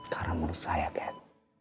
karena menurut saya cat